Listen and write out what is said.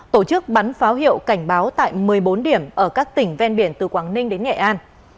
tổ chức bắn pháo hiệu cảnh báo tại một mươi bốn điểm ở các tỉnh ven biển từ quảng ninh đến nghệ an